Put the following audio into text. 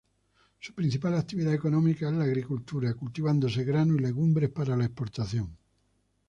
Su principal actividad económica es la agricultura, cultivándose grano y legumbres para exportación.